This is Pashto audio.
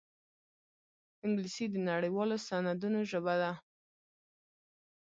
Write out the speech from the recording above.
انګلیسي د نړيوالو سندونو ژبه ده